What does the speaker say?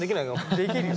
できるよ。